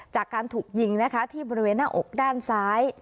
จากการถูกยิงนะคะที่บริเวณหน้าอกด้านซ้าย